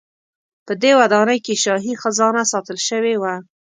په دې ودانۍ کې شاهي خزانه ساتل شوې وه.